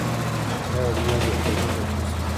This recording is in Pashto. ایا زما بې خوبي به ښه شي؟